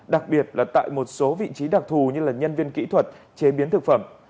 đặc biệt là tại một số vị trí đặc thù như nhân viên kỹ thuật chế biến thực phẩm